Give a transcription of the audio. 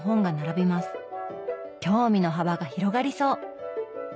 興味の幅が広がりそう！